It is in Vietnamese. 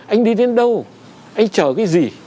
anh đi đến đâu anh chở cái gì